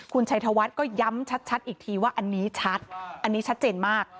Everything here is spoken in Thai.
คุณชัยธวัฒน์ก็ย้ำชัดอีกทีว่าอันนี้ชัดอันนี้ชัดเจนมาก